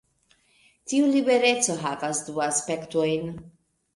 Tiu libereco havas du aspektojn.